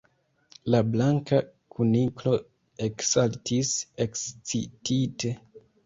La Blanka Kuniklo eksaltis ekscitite.